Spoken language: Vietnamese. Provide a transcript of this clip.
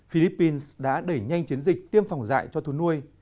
philippines đã đẩy nhanh chiến dịch tiêm phòng dạy cho thu nuôi